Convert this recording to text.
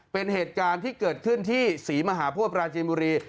เป็นเหตุการณ์ที่เกิดขึ้นที่ศรีมหาโพธิปราจีนบุรี